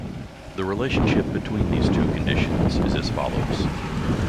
The relationship between these two conditions is as follows.